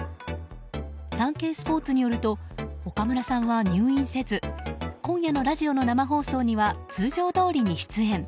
サンケイスポーツによると岡村さんは入院せず今夜のラジオの生放送には通常どおりに出演。